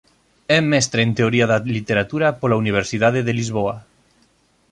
É Mestre en Teoría da Literatura pola Universidade de Lisboa.